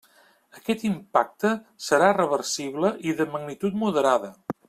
Aquest impacte serà reversible i de magnitud moderada.